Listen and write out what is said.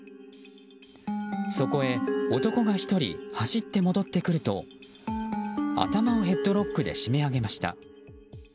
そこへ男が１人走って戻ってくると頭をヘッドロックで締め上げました。